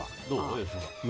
吉村。